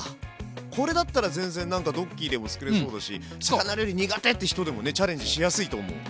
これだったら全然何かドッキーでもつくれそうだし魚料理苦手って人でもねチャレンジしやすいと思う。